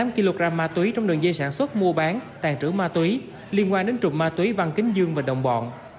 một trăm tám mươi tám kg ma túy trong đường dây sản xuất mua bán tàn trữ ma túy liên quan đến trụm ma túy văn kính dương và đồng bọn